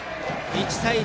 １対１。